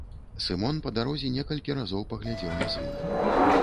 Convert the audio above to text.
Сымон па дарозе некалькі разоў паглядзеў на сына.